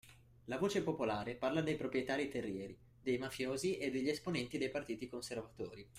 La voce popolare parla dei proprietari terrieri, dei mafiosi e degli esponenti dei partiti conservatori